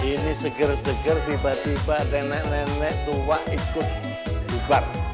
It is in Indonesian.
ini seger seger tiba tiba nenek nenek tua ikut bubar